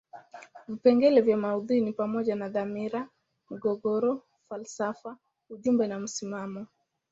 Vipengele vya maudhui ni pamoja na dhamira, migogoro, falsafa ujumbe na msimamo.